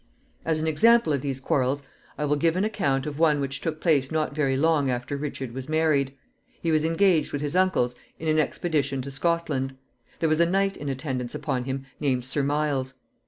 As an example of these quarrels, I will give an account of one which took place not very long after Richard was married. He was engaged with his uncles in an expedition to Scotland. There was a knight in attendance upon him named Sir Miles.